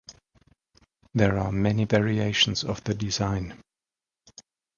There are many variations of the design.